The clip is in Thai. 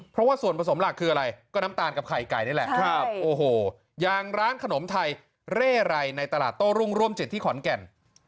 เพราะว่าส่วนผสมหลักคืออะไรก็น้ำตาลกับไข่ไก่นี่แหละโอ้โหอย่างร้านขนมไทยเร่รัยในตลาดโต้รุ่งร่วมจิตที่ขอนแก่น